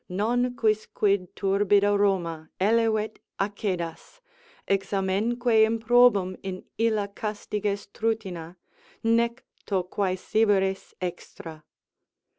"Non quicquid turbida Roma Elevet, accedas; examenque improbum in illa Castiges trutina: nec to quaesiveris extra."